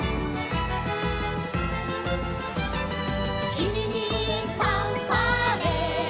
「君にファンファーレ」